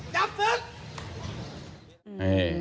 จับศึก